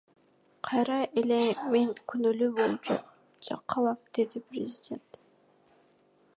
Кайра эле мен күнөөлүү болуп калам, — деди президент.